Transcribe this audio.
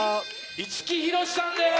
五木ひろしさんです。